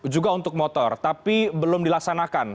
juga untuk motor tapi belum dilaksanakan